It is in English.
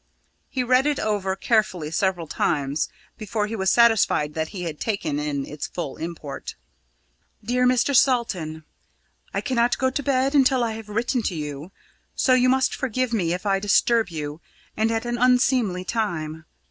He read it over carefully several times, before he was satisfied that he had taken in its full import. "DEAR MR. SALTON, "I cannot go to bed until I have written to you, so you must forgive me if I disturb you, and at an unseemly time.